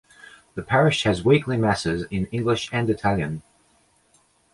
The parish has weekly masses in English and Italian.